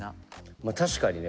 まあ確かにね。